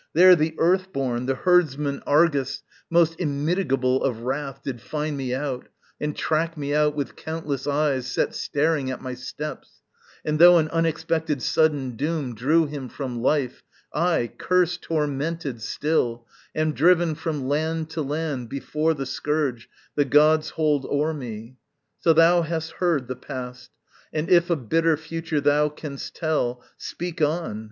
There, the earth born, The herdsman Argus, most immitigable Of wrath, did find me out, and track me out With countless eyes set staring at my steps: And though an unexpected sudden doom Drew him from life, I, curse tormented still, Am driven from land to land before the scourge The gods hold o'er me. So thou hast heard the past, And if a bitter future thou canst tell, Speak on.